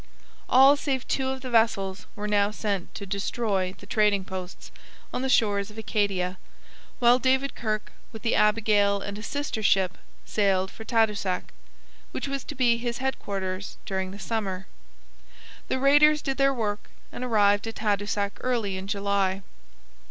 All save two of the vessels were now sent to destroy the trading posts on the shores of Acadia, while David Kirke, with the Abigail and a sister ship, sailed for Tadoussac, which was to be his headquarters during the summer. The raiders did their work and arrived at Tadoussac early in July.